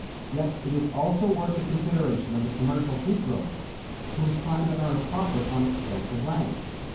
Yet it is also worth the consideration of the commercial fruit grower who is trying to earn a profit on expensive land.